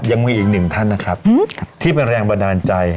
ยังมีอีกหนึ่งท่านนะครับที่เป็นแรงบันดาลใจ